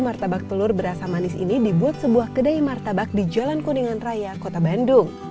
martabak telur berasa manis ini dibuat sebuah kedai martabak di jalan kuningan raya kota bandung